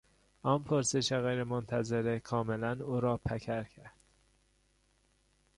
آن پرسش غیرمنتظره کاملا او را پکر کرد.